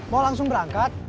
mau langsung berangkat